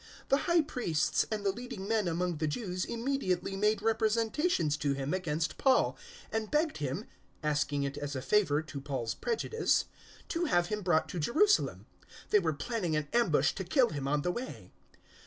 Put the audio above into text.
025:002 The High Priests and the leading men among the Jews immediately made representations to him against Paul, and begged him 025:003 asking it as a favour, to Paul's prejudice to have him brought to Jerusalem. They were planning an ambush to kill him on the way.